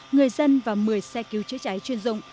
người dân và một mươi xe cứu chữa cháy chuyên dụng